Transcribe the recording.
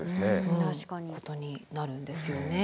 確かに。ってことになるんですよね。